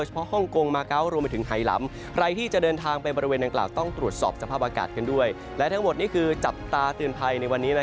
โปรดติดตามตอนต่อไป